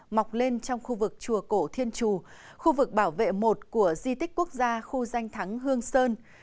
mọc lên trong khu vực chùa cổ thiên chù khu vực bảo vệ một của di tích quốc gia khu danh thắng hương sơn